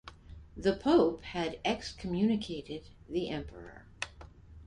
The pope had excommunicated the emperor.